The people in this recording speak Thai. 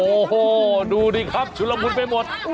โอเคดูสิครับชุดลำบุลไปหมด